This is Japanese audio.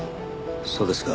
そうですか。